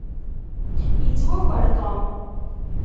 Yettwaker Tom.